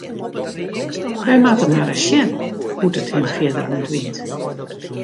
Wy moatte mar ris sjen hoe't it him fierder ûntwynt.